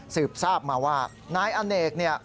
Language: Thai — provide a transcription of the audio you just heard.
สืบทราบมาว่านายอเนกเนี่ย